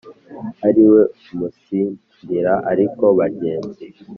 ariwe umutsindira ariko bagenzi